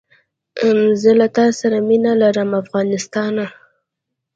زه له تاسره مینه لرم افغانستانه